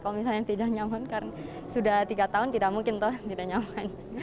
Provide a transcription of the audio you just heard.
kalau misalnya tidak nyaman karena sudah tiga tahun tidak mungkin toh tidak nyaman